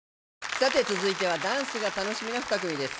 続いてはダンスが楽しみな２組です。